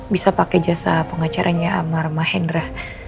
bisa pakai jasa pengacaranya amar mahendra